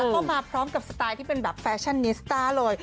ก็มาพร้อมกับสไตล์ที่เป็นแบบแฟชั่นนิสต้าเลย